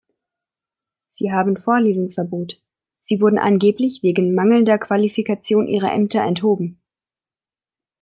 Sie haben Vorlesungsverbot, sie wurden angeblich wegen mangelnder Qualifikation ihrer Ämter enthoben.